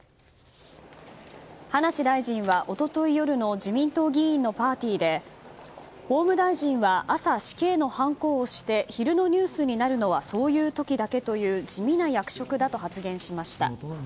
葉梨大臣は一昨日夜の自民党議員のパーティーで法務大臣は朝、死刑のはんこを押して昼のニュースになるのはそういう時だけという地味な役職だと発言しました。